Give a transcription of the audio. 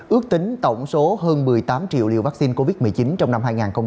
ước tính tổng số hơn một mươi tám triệu liều vaccine covid một mươi chín trong năm hai nghìn hai mươi